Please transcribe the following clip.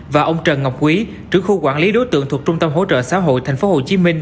và ông trần ngọc quý trưởng khu quản lý đối tượng thuộc trung tâm hỗ trợ xã hội thành phố hồ chí minh